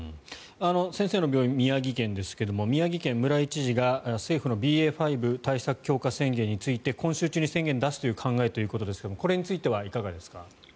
先生の病院、宮城県ですが宮城県の村井知事が政府のＢＡ．５対策強化宣言について今週中に宣言を出す考えということですがこれについてはいかがですか？